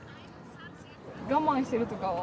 我慢してるとかは。